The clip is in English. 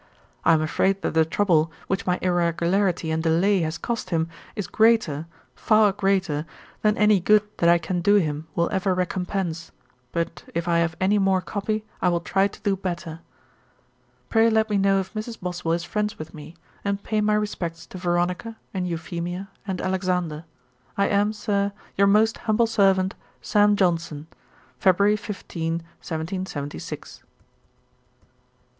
'I am afraid that the trouble, which my irregularity and delay has cost him, is greater, far greater, than any good that I can do him will ever recompense; but if I have any more copy, I will try to do better. 'Pray let me know if Mrs. Boswell is friends with me, and pay my respects to Veronica, and Euphemia, and Alexander. 'I am, Sir, 'Your most humble servant, 'SAM. JOHNSON.' 'February, 15, 1775 .' 'MR.